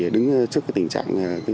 đứng trước tình trạng này